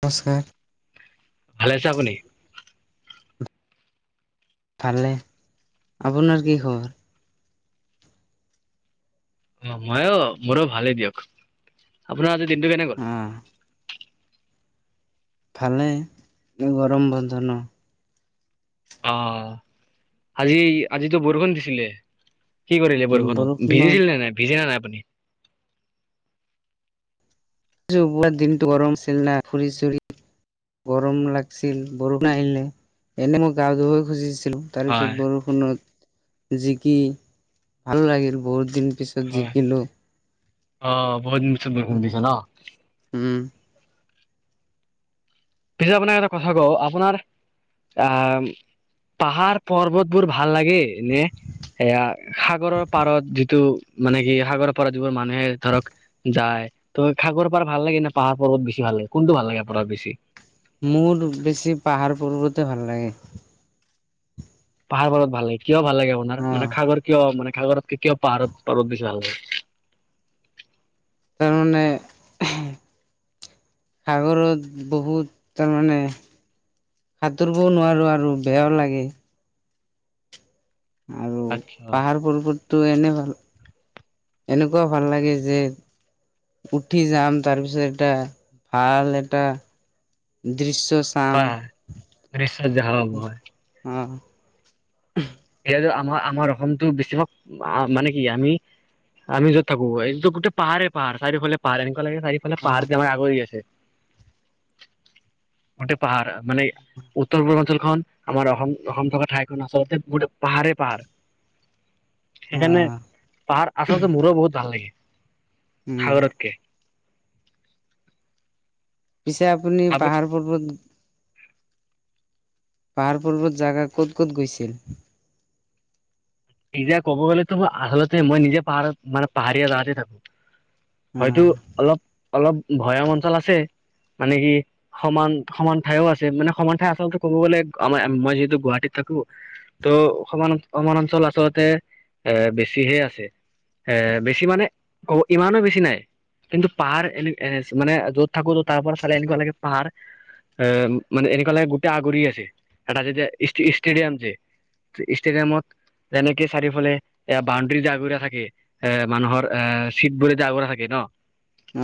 নমস্কাৰ। ভালে আছে আপুনি? ভালে নে? আপোনাৰ কি খবৰ? অ মইয়ো মোৰো ভালেই দিয়ক। আপোনাৰ আজি দিনটো কেনে গ'ল? আহ ভালেই, গৰম বন্ধ ন। অহ আজি আজিতো বৰষুণ দিছিলে। কি কৰিলে বৰষুণত, ভিজিছিল নে নাই ভিজিলে নে নাই আপুনি? আজি পোৰা দিনটো গৰম আছিল না ফুৰি চুৰি গৰম লাগিছিল বৰষুণ আহিলে এনেই মই গা ধুবই খুজিছিল তাৰপিছত হয় বৰষুণত জেকি ভাল লাগিল বহুত দিন পিছত হয়। জিকিলো। অ বহুত দিন পাছত বৰষুণ দিছে ন? উম পিছে আপোনাক‌ এটা কথা কওঁ, আপোনাৰ আহ পাহাৰ পৰ্বতবোৰ ভাল লাগে নে এয়া সাগৰৰ পাৰত যিটো মানে কি সাগৰৰ পাৰত যিবোৰ মানুহ মানুহে ধৰক যায়। তই সাগৰ পাৰ ভাল লাগে নে পাহাৰ পৰ্বত ভাল লাগে বেছি ভাল লাগে কোনটো ভাল লাগে আপোনাক বেছি? মোৰ বেছি পাহাৰ পৰ্বতে ভাল লাগে। পাহাৰ পৰ্বত ভাল লাগে, কিয় ভাল লাগে আপোনাৰ অ মানে সাগৰ কিয় মানে সাগৰতকে কিয় পাহাৰত অলপ বেছি ভাল লাগে? তাৰ মানে। সাগৰত বহুত তাৰমানে। সাঁতুৰিবও নোৱাৰো আৰু বেয়াও লাগে। আৰু আচ্ছা পাহাৰ ফটো এনে ভাল। এনেকুৱা ভাল লাগে যে। উঠি যাম তাৰপিছত এটা ভাল এটা দৃশ্য। হয় চাম হয় নিশ্চয় যাম হয় অ। আমাৰ আমাৰ অসমতটো বেছিভাগ মানে কি আমি। আমি যত থাকো একদম গোটেই পাহাৰেই পাহাৰ চাৰিওফালে পাহাৰ এনেকোৱা লাগে চাৰিফালে অ পাহাৰে আগৰি আছে। [unintelligible] গোটেই পাহাৰ মান উত্তৰ পূৰ্বাঞ্চলখন আাৰ অসম অসম থকা ঠাইখন আচলতে গো। পাহাৰে পাহাৰ অ সেইকাৰণে পাহাৰ আচলতে মোৰো বহুত ভাল লাগে। উম সাগৰতকে। পিছে আপুনি আপ পাহাৰ পৰ্বত। পাহাৰ পৰ্বত জাগা ক'ত ক'ত গৈছিল। নিজে কব গ'লেতো আচলতে মই নিজে পাহাৰত মানে পাহাৰীয়া জাগাতে থাকো। অ হয়তো অলপ অলপ ভৈয়াম অঞ্চল আছে মানে কি। সমান সমান ঠাইও আছে মানে সমান ঠাই আচলতে ক'ব গ'লে আমাৰ মই যিহেতু গুৱাহাটীত থাকো ত। ত সমান সমৰ অঞ্চল আচলতে এ বেছিহে আছে। এ বেছি মানে অ ইমানো বেছি নাই। কিন্তু পাহাৰ এনে মানে য'ত থাকো তাৰ পৰা চালে এনেকুৱা লাগে পাহাৰ। এ মানে এনেকুৱা লাগে গোটেই আগুৰি আছে এটা আ যেতিয়া ষ্টেডিয়াম যে। ইছট্ৰেডিয়ামত। যেনেকে চাৰিওফালে এ বাউণ্ডৰী যে আগৰা থাকে এ মানুহৰ এ চিট বোৰে যে আগা থাকে ন।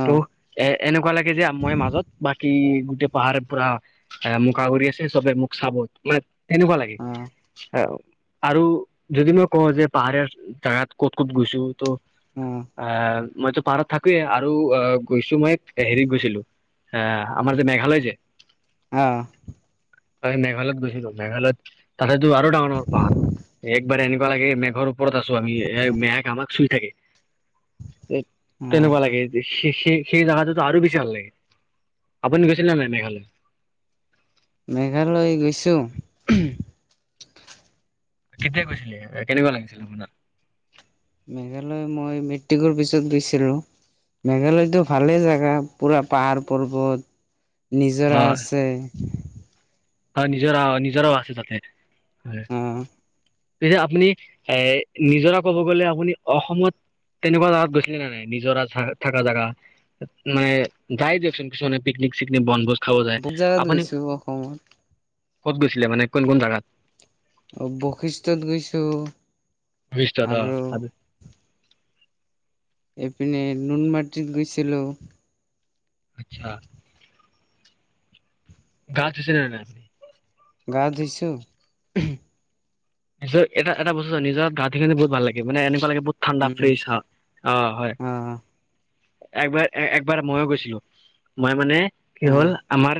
অ ত' এ এনেকুৱা লাগে যে মই মাজত বাকী। গোটেই পাহাৰে পুৰা মোক আগোৰি আছে সবে মুখ চাবত মানে। তেনেকুৱা লাগে অ অ আৰু। যদি মই কওঁ যে পাহাৰীয়া জাগাত ক'ত ক'ত গৈছো ত' অ আহ। মইতো পাৰত থাকোয়ে আৰু অ গৈছো মই হেৰিত গৈছিলো। আহ আমাৰ যে মেঘালয় যে। অহ। ত মেঘালয়ত গৈছিলো মেঘালয়ত তাতেতো আৰু ডাঙৰ ডাঙৰ পাহাৰ। বাৰ এনেকুৱা লাগে মেঘৰ ওপৰত আছো আমি এই মেঘ আমাক চুই থাকে। অ তেনেকুৱা লাগে যে। সেই সেই জেগাটোতো আৰু বেছি ভাল লাগে আপুনি গৈছিলে ন নাই মেঘালয়। মেঘালয় গৈছো। কেতিয়া কৈছিলে কেনেকুৱা লাগিছিল আপোনাক। মেঘালয় মই মেট্ৰিকৰ পিছত গৈছিলো। মেঘালয়তো ভালে জাগা পুৰা পাহাৰ পৰ্বত। নিজৰা হয় আছে। হয় নিজৰ নিজৰও আছে তাতে হয়। অ পয়া আপুনি এ নিজৰা ক'ব গ'লে আপুনি অসমত। তেনেকুৱা জাগগাত গৈছিলে নে নাই নিজৰ থকা জেগা মানে যাই দিয়কচোন কিছুমানে পিকনিক। চি বন গোছ খাব যায় বহুত জাগাত আপুনি। গৈছো অসমত ক'ত গৈছিলে মানে কোন কোন জেগাত। বশিষ্ঠত গৈছো। বিছ তা আৰু ত। এপিনে নুন মাটিতত গৈছিলো। আচছা গাছ ক নাই আপনি। গা ধুইছোঁ। এটা বস্তু নিজৰ গাঁঠি বহুত ভাল লাগে মানে এনেকুৱা লাগে বহুত ঠাণ্ডা উম ফ্ৰিজ হয় অ হয় অ একবাৰ একবাৰ মইও গৈছিলো মই মানে কি অ হ'ল আমাৰ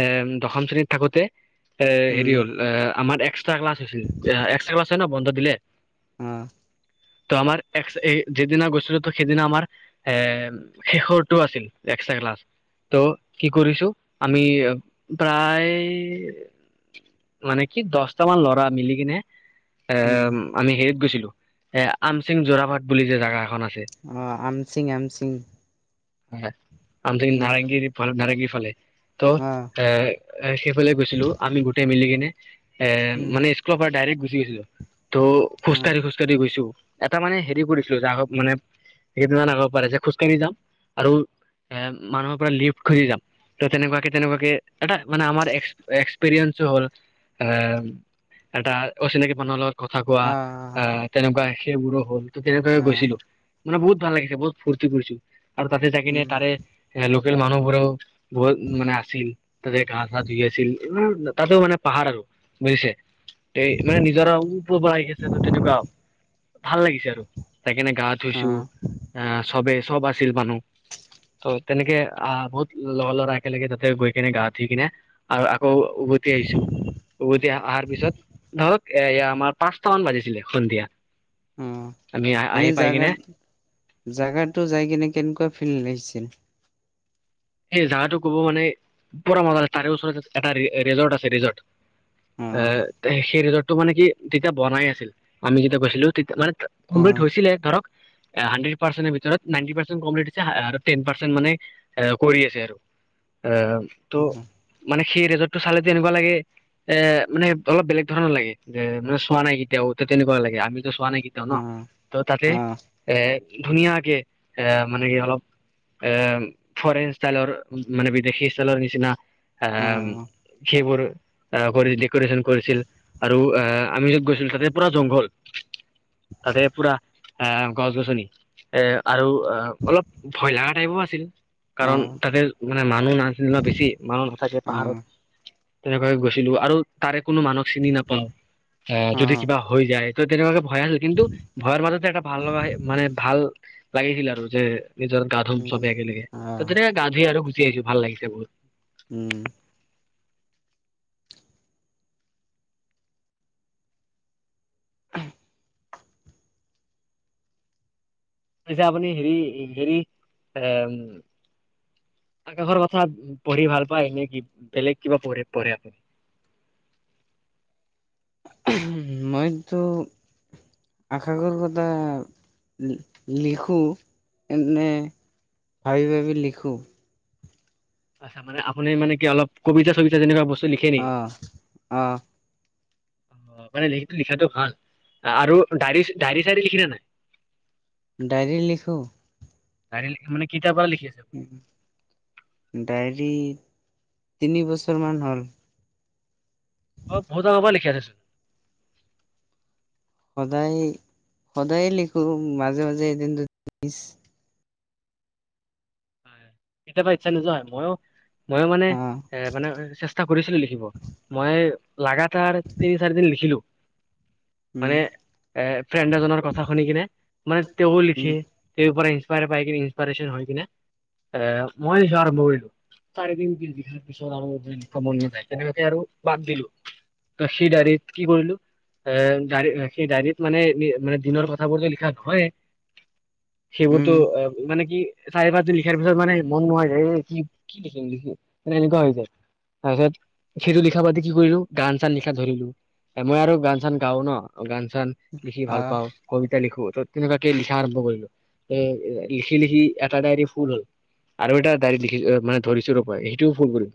এ দশম শ্ৰেণীত থাকোতে এ হেৰি উম হ'ল এ আমাৰ এক্সট্ৰা ক্লাছ হৈছিল এক্ ছেক আছে ন বন্ধ দিলে [unintelligible] আহ ত' আমাৰ এক যিদিনা গৈছিলো তো সেইদিনা আমাৰ এ শেষৰটো আছিল ক্লাছ ত' কি কৰিছো আমি প্ৰায় মানে কি দহটা মান ল'ৰা মিলি কি এ উম আমি হেৰিত গৈছিলো এ আমচিং জোৰাভাট বুলি যে জোগা এখন আছে অ আমচিং আমচিং হয় আম উম নাৰংগিফ নাৰংগিৰ ফালে ত অ এ সেইফালে গৈছিলো আমি গোটেই মিলি কিনে এ উম মানে স্কুলৰ পৰা ডাইৰেক্ট গুচি গৈছো টো অ খোজকাঢ়ি খোজকাঢ়ি গৈছো এটা মানে হেৰি কৰিছিলো যে আক মানে স কেইদান আগিব পাৰে যে খোজকাঢ়ি যাম আৰু এ মানুহৰ পৰা লিফ্ট খুজি যাম ত তেনেকুৱাকে তেনেকুৱকে এটা মানে আমাৰ এক্ এক্সপীৰিয়েন্ঞ্চো হ'ল আহ এটা অচিনাকি মানুহৰ লগত কথা কোৱা অ আহ তেনেকুৱা সেইবোৰো হ'ল ত তেনেকে অ গৈছিলো মানে বহুত ভাল লাগিছে বহুত ফুৰ্তি কৰিছো আৰু তাতে যাকিনে উম তাৰে এ [unintelligible] ল মানুহবোৰও বহুত মানে আছিল তাতে ঘাঁ চা ধুই আছিল তাতো মানে পাহাৰ আৰু বুজিছে তে মানে নিজৰ ওপৰ পৰা আহি আছে ত তেনেকুৱা ভাল লাগিছে আৰু তাইকাৰনে গা অ ধুইছো আহ চবেই চব আছিল মানুহ ত' তেনেকে আহ বহুত লৰা ল'ৰা একেলগে তাতে গৈ কিনে গা উঠি কিনে আৰু আকৌ উভতি আহিছো উভতি আহৰ পি পিছত ধৰক এ এয়া আমাৰ পাঁচটা মান বাজিছিলে সন্ধিয়া অ আমি এনে আহি পাই কিনে জাগাত জাগাতটো যাই কিনে কেনেকুৱা ফিল লাগিছে [unintelligible] [inaudible] এই জোগাতটো ক'ব মানে পুৰা মজা আছে তাৰে ওচৰত এটা ৰিজৰ্ট আছে ৰিজৰ্ট অ [unintelligible] আহ সেই ৰিজৰ্টটো মানে কি তেতিয়া বনাই আছিল আমি যেতিয়া কৈছিলো তেয়া মানে [unintelligible] অ কমপ্লিট হৈছিলে ধৰক হে হানড্ৰেট পাৰ্চেনৰ ভিতৰত নাইন্টি পাৰ্চেন কমকে দিছে টেন পাৰ্চেন মানে এ কৰি আছে আৰু এ অ ত' মানে সেই ৰেজ তটো চালে তেনেকুৱা লাগে এ মানে অলপ বেলেগ ধৰণৰ লাগে যে মানে চোৱা নাই কেতিয়াও ত তেনেকুৱা লাগে [unintelligible] আমিতো চোৱা নাই কেতিয়াও ন অ ত' তাতে অ এ ধুনীয়াকে এ মানে কি অলপ এ ফৰেন ষ্টাইলৰ মানে বিদেশী ষ্টাইলৰ নিচিনা আহ অ সেইবোৰ আহ কৰিছিল ডেক'ৰে্যন কৰিছিল আৰু আহ আমি যত গৈছিলো তাতে পুৰা জংঘল ততে পুৰা আহ গছ গছনি এ আৰু অলপ ভয়লগা টাইপো আছিল কাৰণ তাতে মানে মানুহ নাছিল ন বেছি মানুহ নাথাকে অ পাহাৰত তেনেক গৈছিলো আৰু তাৰে কোনো মানুহক চিনি নাপাওঁ আহ অ অ যদি কিবা হৈ যায় ত তেনেকুৱাকে ভয় আছিল কিন্তু ভয়ৰ মাজতে এটা ভাল লগা মানে ভাল লাগিছিল আৰু যে নিজৰ গা ধোন উম চবে একেলগে অ তাতেনেক গা ধুই আৰু গুচি আহিছো ভাল লাগিছে উম বহুত এতিয়া আপুনি হেৰি হেৰি এ আকাশৰ কথা পঢ়ি ভাল পায় এনে কি বেলেগ কিবা পঢ় পঢ়ে আপুনি মইতো আকাশৰ কথা লিখু এনে ভাবি ভাবি লিখো আপনি মানে কি অলপ কবিতা চবিতা যেনিবা বস্তু। লিখে অ নেকি? অ অ মানে লিখ লিখাটো ভাল আৰু ডা ডায়েৰী চাইৰী লিখিলে নাই ডায়ৰী লিখো ডায়ৰী লিখে মানে কেইটা পৰা লিখে ডায়ৰী তিনি বছৰ মান হ'ল। অ বহুত আগৰ পৰা লিখি আছে চোন। সদায় সদায়ে লিখো মাজে মাজে এদিন কেতিয়াৰ ইচ্ছা নোযোৱা হয় ময়ো ময়ো মানে অ এ মানে চেষ্টা কৰিছিলো লিখিব মই লাগাতাৰ তিনি চাৰি দিন লিখিলো। উম এ ফ্ৰেণ্ড এজনৰ কথা শুনি কিনে মানে তেওঁও লিখি উম তেওঁৰ পৰা পাই কিনে ইনপাৰেশ্বন হৈ কিনে এ মই আৰম্ভ কৰিলো চাৰিদিন বিছ বিঘাৰ পিছত আৰু লিখাব মন যায় তেনেকুৱাকে আৰু বাদ দিলো। কাশি ডায়ৰীত কি কৰিলো। এ ড সেই ডায়েৰীত মানে মানে দিনৰ কথাবোৰত লিখা নহয়য়েই উম সেইবোৰতো মানে কি চাহ বাৰে মানে মন নহোৱা যায় কি কি লিখিম লিখিম ম এনেকুৱা হৈ যায় তাৰ পিছত সেইটো লিখা পাতি কি কৰিলো গান চান লিখা ধৰিলো মই আৰু গান চান গাও ন গান চান লিখি অ ভাল পাও কবিতা এয়া লিখো ত তেনেকুৱাকে লিখা আৰম্ভ কৰিলো ত লিখি লিখি এটা ডায়েৰী ফুল হল। আৰু এটা ডায়ৰী লিখি মানে ধৰিছো ৰবা সেইটোও ফুল কৰিম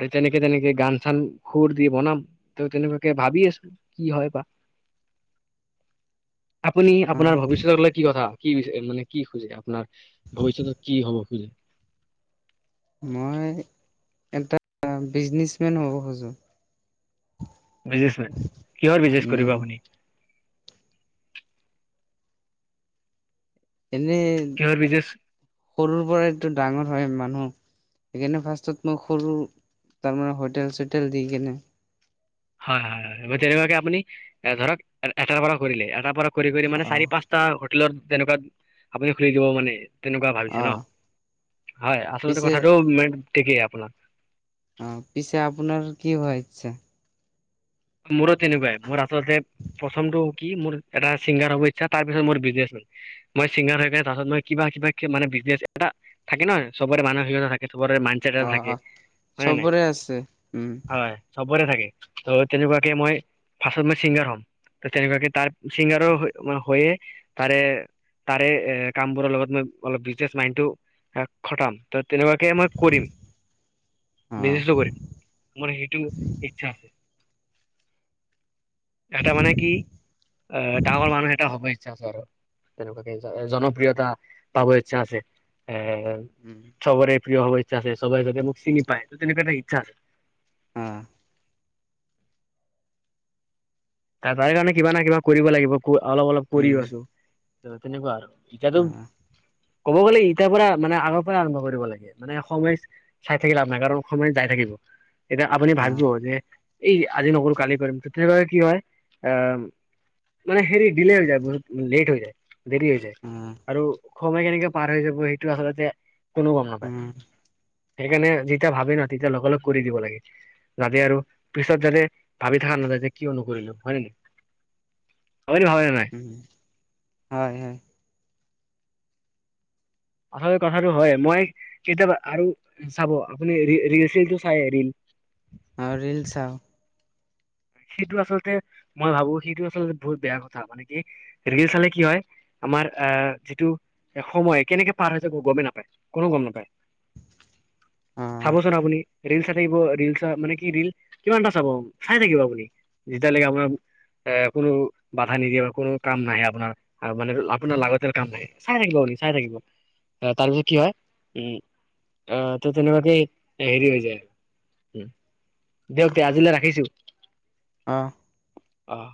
আৰু তেনেকে তেনেকে গান চান হুৰ দ বনাম ত তেনেকুৱাকে ভাবি আছো কি হয় বা। [inaudible] আপুনি অ আপোনাৰ ভৱিষ্যতক লৈ কি কথা কি মানে কি খুজে আপোনাৰ ভৱিষ্যতত কি হ'ব খুজে মই এটা বিজনেচমেন হ'ব খোজো। বিজনেছ মেন কিহৰ বিজনেচ উম কৰিব আপুনি। এনেই কিহৰ বিজনেছ সৰুৰ পৰাইটো ডাঙৰ হয় মানুহ সেইকাৰনে ফাৰ্ষ্ট মই সৰু তাৰমানে হোটেল চোটেল দি কেনে হয় হয় হয় তেনেকুৱাকে আপুনি এ ধৰক এটাৰ পৰা কৰিলে এটাৰ পৰা। কৰি কৰি মানে অ চাৰি পাঁচটা হোটেলত তেনেকুৱা আপুনি খুলি দিব মানে তেনেকুৱা ভাবিছে অ ন হয় আচলতে পিছে কথাটো ম ঠিকেই আপোনাক অ পিছে আপোনাৰ কি হৈছে। মোৰো তেনেকুৱাই মোৰ আচলতে প্ৰথমটো কি মোৰ এটা ছিংগাৰ হব ইচ্ছা তাৰ পিছত মোৰ বিজনেছ মই চিংগাৰ হৈ কেনে তাছত মই কিবা কিবা মানে বিজনেছ এটা থাকে ন চবৰে মানসিকতা থাকে। মাইণ্ড ছেট এটা থাকে অ অ হয় নে নাই চবৰে আছে উম হয় চবৰে থাকে। তেনেকুৱাকে মই। ফাষ্টত মই ছিংগাৰ হ'ম ত তেনেকুৱাকে তাৰ চিংগাৰো হৈয়ে তাৰে। তাৰে এ কামবোৰৰ লগত মই অলপ বিজনেচ মাইডটো খটাম। ত তেনেকুৱাকে মই কৰিম। বিজনেছটো অ কৰিম মোৰ সেইটো ইচ্ছা। এটা মানে কি ডাঙৰ মানুহ এটা হবই। ইচ্ছা আছে আৰু তেনেকুৱাকে জনপ্ৰিয়তা পাব ইচ্ছা আছে এ উম চবৰে প্ৰিয় হবৰ ইচ্ছা আছে চবই যাতে মোক চিনি পায় ত তেনেকুৱা এটা ইচ্ছা আছে আহ। তাৰ কাৰণে কিবা না কিবা কৰিব লাগিব অলপ অলপ কৰি উম আছো তেনেকুৱা আৰু। এতিয়া টো। অ কব গ'লে ইটাৰ পৰা মানে আগৰ পৰা আৰম্ভ কৰিব লাগে মানে সময় চাই থাকিলে আপোনাৰ কাৰণ সময় যাই থাকিব। এতিয়া আপুনি অ ভাবিব যে এই আজি নকৰো কালি পাৰিম তেনেকে কি হয় অ মানে হেৰি ডিলে হৈ যায় বহুত লেট হৈ যায়। দেৰি হৈ যায় অ আৰু সময় কেনেকে পাৰ হৈ যাব সেইটো আচলতে কোনো গম নাপায়। উম সেইকাৰণে যেতিয়া ভাবি ন তেতিয়া লগে লগ কৰি দিব লাগে যাতে আৰু পিছত যাতে ভাবি থকা নাই। ক ন কৰিৰিলো হয় নে নাই? নহয় ভাবে নে হয়, হয়। আচলতে কথাটো হয় মই কেতিয়াবা আৰু চাব আপুনিটো চাইল আৰু ৰিল চাওঁ। সেইটো আচলতে মই ভাবো সেইটো আচলতে বহুত বেয়া কথা মানে কি ৰিল চালে কি হয়। আমাৰ আহ যিটো এ সময় কেনেকে পাৰ হৈ য গমেই নাপায় কনে গম নাপায়। অ চাবচোন আপুনি ৰিল চাই থাকিব, ৰিলচ মানে কি ৰিল কিমান এটা চাব চাই থাকিব আপুনি যেতিয়ালৈকে আপোনাৰ এ কোনো বাধা নিদিয়োৰ কোনো কাম নাহে আপোনাৰ মানে, আপোনাৰ লাগতিৰ কাম নাহে চাই ৰাাকিব। চাই থাকিব আহ তাৰপিছত কি হয় উম। আহ ত তেনেকুৱাতে হেৰি হৈ যায় আৰু। দিয়ক দে আজিলৈ ৰাখিছো। অঁ। অঁ।